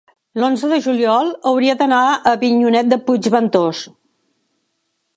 l'onze de juliol hauria d'anar a Avinyonet de Puigventós.